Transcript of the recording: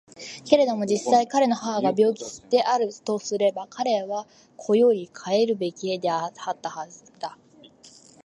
けれども実際彼の母が病気であるとすれば彼は固より帰るべきはずであった。